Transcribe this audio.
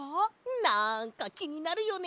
なんかきになるよね